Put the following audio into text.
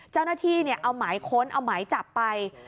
เจ้าหน้าที่เอาหมายค้นเอาหมายจับไป